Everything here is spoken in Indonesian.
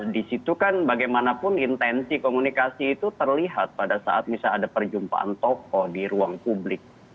di situ kan bagaimanapun intensi komunikasi itu terlihat pada saat misalnya ada perjumpaan tokoh di ruang publik